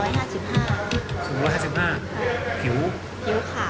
น่าจะสูงประมาณ๑๕๐๕๐๐กรอบ